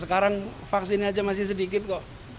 sekarang vaksinnya aja masih sedikit kok